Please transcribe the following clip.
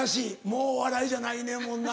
もうお笑いじゃないねんもんな。